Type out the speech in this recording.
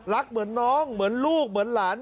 เหมือนน้องเหมือนลูกเหมือนหลาน